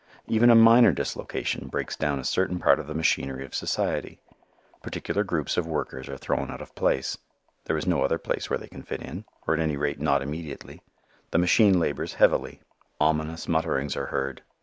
Even a minor dislocation breaks down a certain part of the machinery of society. Particular groups of workers are thrown out of place. There is no other place where they can fit in, or at any rate not immediately. The machine labors heavily. Ominous mutterings are heard.